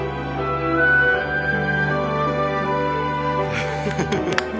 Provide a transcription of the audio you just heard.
フフフフ。